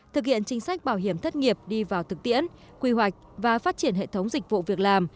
thực hiện chính sách bảo hiểm thất nghiệp đi vào thực tiễn quy hoạch và phát triển hệ thống dịch vụ việc làm